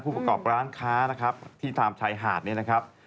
ประกอบร้านค้านะครับที่ตามชายหาดเนี่ยนะครับ